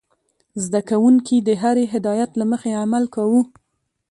زده کوونکي د هرې هدايت له مخې عمل کاوه.